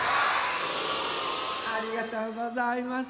ありがとうございます。